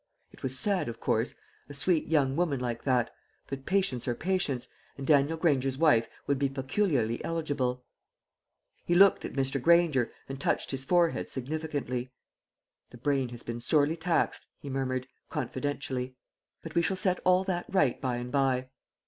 It was sad, of course, a sweet young woman like that; but patients are patients, and Daniel Granger's wife would be peculiarly eligible. He looked at Mr. Granger, and touched his forehead significantly. "The brain has been sorely taxed," he murmured, confidentially; "but we shall set all that right by and by."